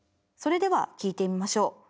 それでは聴いてみましょう。